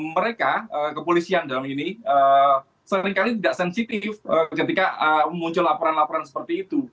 mereka kepolisian dalam ini seringkali tidak sensitif ketika muncul laporan laporan seperti itu